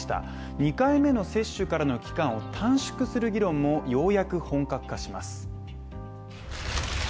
２回目の接種からの期間を短縮する議論もようやく本格化します。